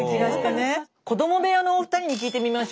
子ども部屋のお二人に聞いてみましょうか。